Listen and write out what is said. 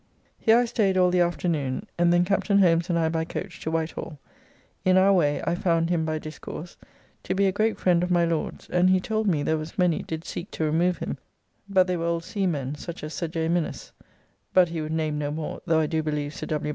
Here I staid all the afternoon, and then Captain Holmes and I by coach to White Hall; in our way, I found him by discourse, to be a great friend of my Lord's, and he told me there was many did seek to remove him; but they were old seamen, such as Sir J. Minnes (but he would name no more, though I do believe Sir W.